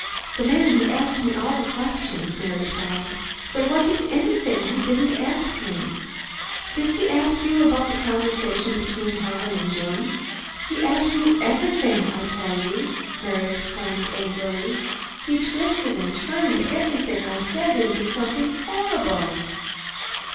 "The man who asked me all the questions," Mary sobbed. "There wasn't anything he didn't ask me." "Did he ask you about the conversation between Helen and Jim?" "He asked me everything, I tell you!" Mary exclaimed angrily. "He twisted and turned everything I said into something horrible."